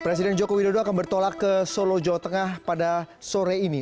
presiden joko widodo akan bertolak ke solo jawa tengah pada sore ini